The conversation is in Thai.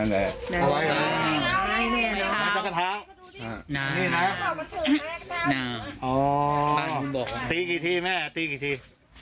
ตีกี่ทีแม่ตีกี่ที